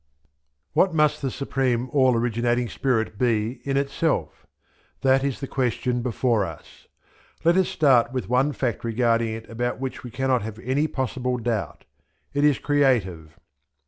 What must the Supreme All originating Spirit be in itself? That is the question before us. Let us start with one fact regarding it about which we cannot have any possible doubt it is creative.